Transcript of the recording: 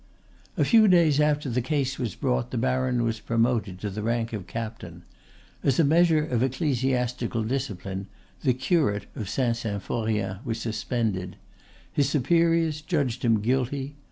A few days after the case was brought the baron was promoted to the rank of captain. As a measure of ecclesiastical discipline, the curate of Saint Symphorien was suspended. His superiors judged him guilty.